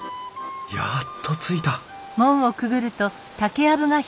やっと着いた！